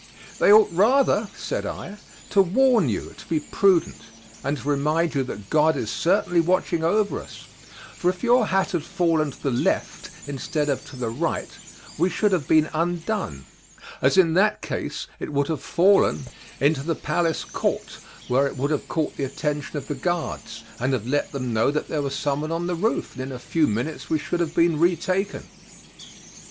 "They ought rather," said I, "to warn you to be prudent, and to remind you that God is certainly watching over us, for if your hat had fallen to the left instead of to the right, we should have been undone; as in that case it would have fallen into the palace court, where it would have caught the attention of the guards, and have let them know that there was someone on the roof; and in a few minutes we should have been retaken."